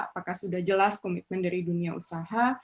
apakah sudah jelas komitmen dari dunia usaha